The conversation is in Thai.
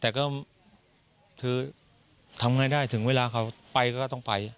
แต่ก็คือทำไงได้ถึงเวลาเขาไปก็ต้องไป